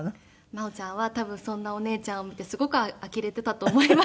真央ちゃんは多分そんなお姉ちゃんを見てすごく呆れていたと思います。